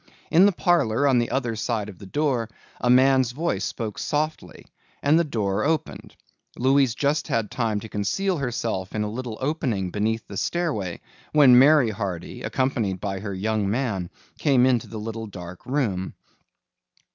In the parlor on the other side of the door a man's voice spoke softly and the door opened. Louise just had time to conceal herself in a little opening beneath the stairway when Mary Hardy, accompanied by her young man, came into the little dark room.